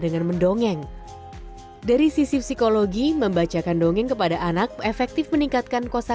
dengan mendongeng dari sisi psikologi membacakan dongeng kepada anak efektif meningkatkan kosa